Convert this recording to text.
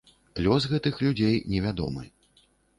Лёс гэтых людзей невядомы.